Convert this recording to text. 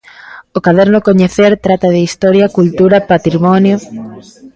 O caderno 'Coñecer' trata de historia, cultura, patrimonio...